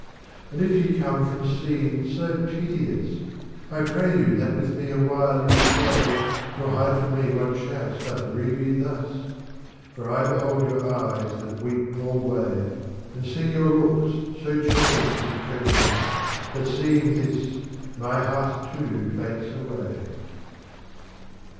And if ye come from scene so piteous, I pray you that with me awhile you stay, '' Nor hide from me what chance doth grieve you thus : For I behold your eyes that weep alway. And see your looks so changed and tremulous. That seeing this my heart too faints away.